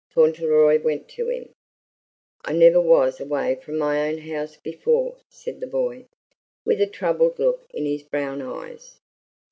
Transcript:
Fauntleroy went to him. "I never was away from my own house before," said the boy, with a troubled look in his brown eyes.